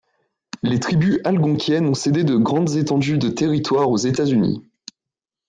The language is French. Les Tribus algonquiennes ont cédé de grande étendues de territoire aux États-Unis.